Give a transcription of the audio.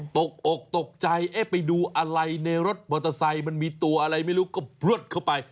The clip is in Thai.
ตกอกตกใจเอ๊ะไปดูอะไรในรถมอเตอร์ไซค์มันมีตัวอะไรไม่รู้ก็พลวดเข้าไป